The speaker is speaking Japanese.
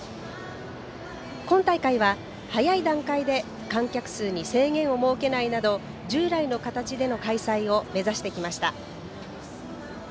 今大会は早い段階で観客数に制限を設けないなど従来の形での開催を目指してきました。